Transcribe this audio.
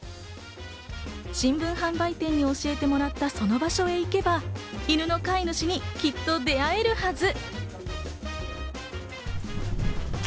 新聞販売店に教えてもらったその場所へ行けば、犬の飼い主にきっと出会えるはず。